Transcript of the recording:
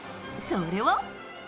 それは。